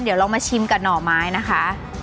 เดี๋ยวเรามาชิมกับหน่อไม้นะคะ